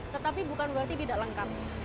tetapi bukan berarti tidak lengkap